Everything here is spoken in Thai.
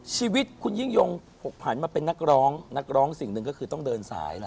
ชีวิตคุณยิ่งยงผกผันมาเป็นนักร้องนักร้องสิ่งหนึ่งก็คือต้องเดินสายล่ะ